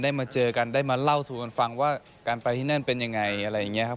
มาเจอกันได้มาเล่าสู่กันฟังว่าการไปที่นั่นเป็นยังไงอะไรอย่างนี้ครับ